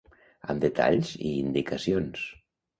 Amb detalls i indicacions.